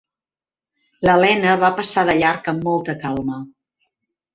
L'Elena va passar de llarg amb molta calma.